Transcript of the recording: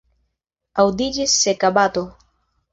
Aŭdiĝis seka bato.